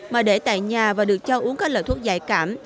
mà để tại nhà và được cho uống các loại thuốc giải cảm